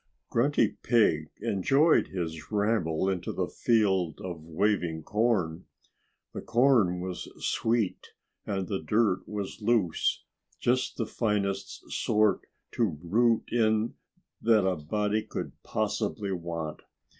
Grunty Pig enjoyed his ramble into the field of waving corn. The corn was sweet; and the dirt was loose just the finest sort to root in that a body could possibly want.